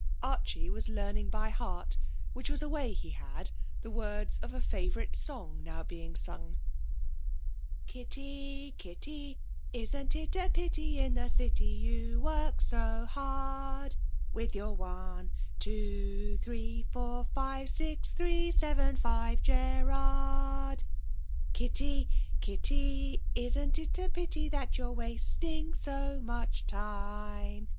Archie was learning by heart which was a way he had the words of a favourite song now being sung 'Kitty, Kitty, isn't it a pity, In the city you work so hard, With your one, two, three, four, five, Six, three, seven, five, Cerrard? Kitty, Kitty, isn't it a pity, That you're wasting so much time?